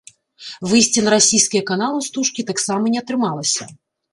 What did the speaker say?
Выйсці на расійскія каналы ў стужкі таксама не атрымалася.